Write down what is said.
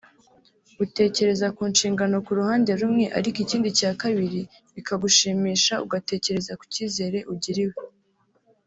utekereza ku nshingano ku ruhande rumwe ariko ikindi cya kabiri bikagushimisha ugatekereza ku cyizere ugiriwe